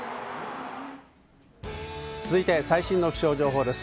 続いて最新の気象情報です。